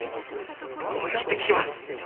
思い切って聞きます。